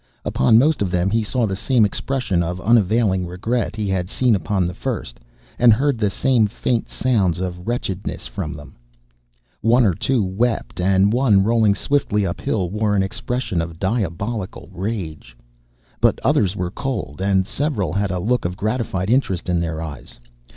Upon most of them he saw the same expression of unavailing regret he had seen upon the first, and heard the same faint sounds of wretchedness from them. One or two wept, and one rolling swiftly uphill wore an expression of diabolical rage. But others were cold, and several had a look of gratified interest in their eyes.